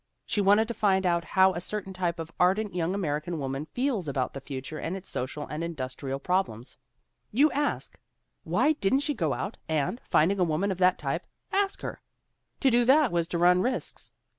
She wanted to find out how a certain type of ardent young American woman feels about the future and its social and industrial problems. You ask : why didn't she go out and, finding a woman of that type, ask her? To do that was to run risks.